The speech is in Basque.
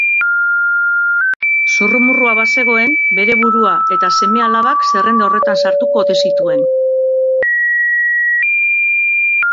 Zurrumurrua bazegoen bere burua eta seme-alabak zerrenda horretan sartuko ote zituen.